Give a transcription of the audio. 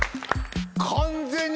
完全に。